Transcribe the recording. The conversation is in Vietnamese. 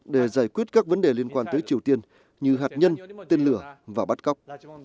để giải quyết các vấn đề liên quan tới triều tiên như hạt nhân tên lửa và bắt cóc